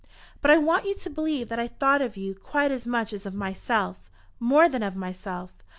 But I want you to believe that I thought of you quite as much as of myself, more than of myself.